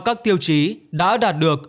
các tiêu chí đã đạt được